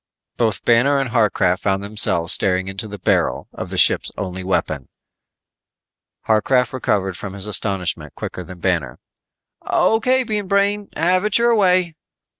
Both Banner and Harcraft found themselves staring into the barrel of the ship's only weapon. Harcraft recovered from his astonishment quicker than Banner. "O.K., Bean Brain, have it your way."